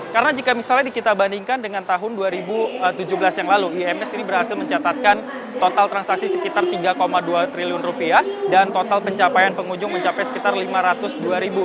karena jika misalnya kita bandingkan dengan tahun dua ribu tujuh belas yang lalu ims ini berhasil mencatatkan total transaksi sekitar tiga dua triliun rupiah dan total pencapaian pengunjung mencapai sekitar lima ratus dua ribu